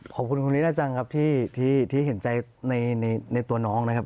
ขอบคุณคุณลีน่าจังครับที่เห็นใจในตัวน้องนะครับ